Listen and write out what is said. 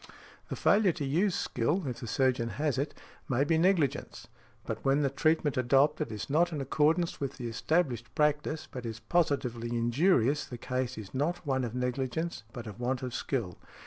The failure to use skill, if the surgeon has it, may be negligence; but when the treatment adopted is not in accordance with the established practice, but is positively injurious, the case is not one of negligence, but of want of skill.